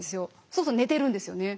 そうすると寝てるんですよね。